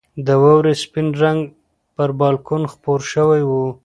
د واورې سپین رنګ پر بالکن خپور شوی و.